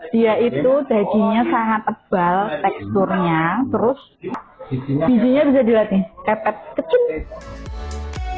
dia itu dagingnya sangat tebal teksturnya terus bijinya bisa dilihat nih tepet kecil